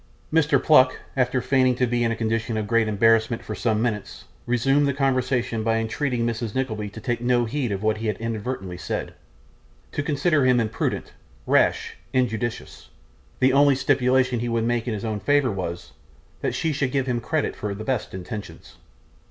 Mr. Pluck, after feigning to be in a condition of great embarrassment for some minutes, resumed the conversation by entreating Mrs. Nickleby to take no heed of what he had inadvertently said to consider him imprudent, rash, injudicious. The only stipulation he would make in his own favour was, that she should give him credit for the best intentions.